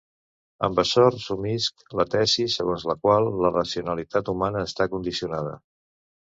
Amb açò resumisc la tesi segons la qual la racionalitat humana està condicionada.